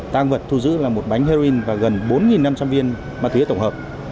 tăng vật thu giữ là một bánh heroin và gần bốn năm trăm linh viên ma túy tổng hợp